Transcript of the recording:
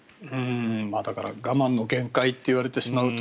だから、我慢の限界といわれてしまうと。